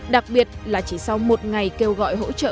đặc biệt là chỉ sau một ngày kêu gọi hỗ trợ